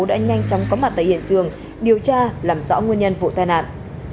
đã nhanh chóng có mặt tại hiện trường điều tra làm rõ nguyên nhân vụ tai nạn